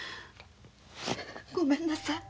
ごめんなさい